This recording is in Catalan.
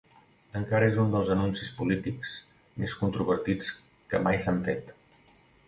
Encara és un dels anuncis polítics més controvertits que mai s'han fet.